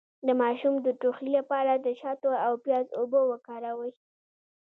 د ماشوم د ټوخي لپاره د شاتو او پیاز اوبه وکاروئ